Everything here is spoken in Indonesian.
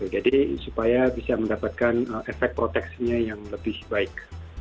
jadi supaya bisa mendapatkan efek proteksinya yang lebih baik